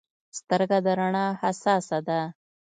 سترګه د رڼا حساسه ده.